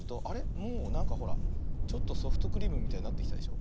もうなんかほらちょっとソフトクリームみたいになってきたでしょ。